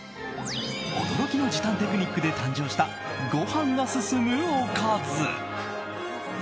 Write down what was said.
驚きの時短テクニックで誕生した、ご飯が進むおかず。